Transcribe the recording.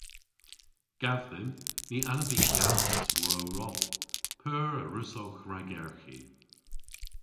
"Gav dhymm, ny allav y gavos war ow rol. P'eur a wrussowgh ragerghi?"